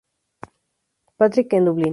Patrick en Dublín.